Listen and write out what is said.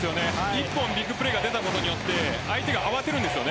１本ビッグプレーが出たことによって相手があわてるんです。